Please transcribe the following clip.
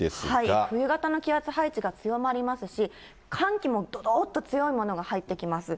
冬型の気圧配置強まりますし、寒気もどどっと強いものが入ってきます。